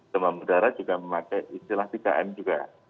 demam berdarah juga memakai istilah tiga m juga